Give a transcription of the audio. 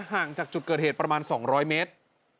ห่างจากจุดเกิดเหตุประมาณ๒๐๐เมตร